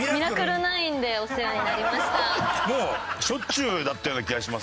もうしょっちゅうだったような気がします。